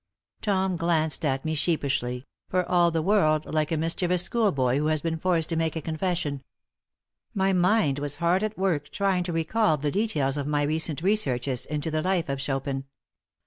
Tom glanced at me sheepishly, for all the world like a mischievous schoolboy who has been forced to make a confession. My mind was hard at work trying to recall the details of my recent researches into the life of Chopin.